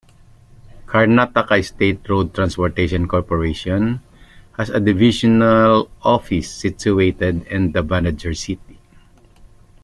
Karnataka State Road Transport Corporation, has a divisional office situated in Davanagere City.